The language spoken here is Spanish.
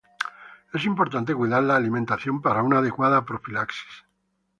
Es importante cuidar la alimentación para una adecuada profilaxis.